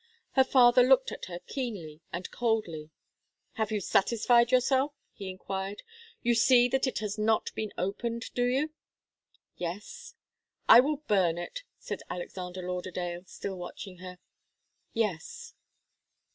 Her father looked at her keenly and coldly. "Have you satisfied yourself?" he enquired. "You see that it has not been opened, do you?" "Yes." "I will burn it," said Alexander Lauderdale, still watching her. "Yes."